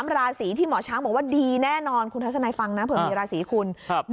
ราศีที่หมอช้างบอกว่าดีแน่นอนคุณทัศนัยฟังนะเผื่อมีราศีคุณ